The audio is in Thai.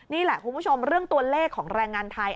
นี่แหละคุณผู้ชมเรื่องตัวเลขของแรงงานไทย